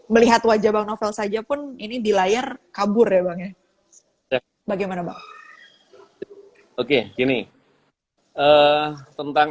melihat wajah bang novel saja pun ini di layar kabur ya bang ya bagaimana bang oke gini tentang